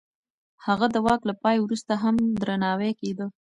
هغه د واک له پای وروسته هم درناوی کېده.